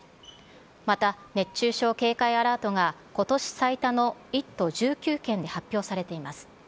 また、熱中症警戒アラートが、ことし最多の１都１９県に発表されています。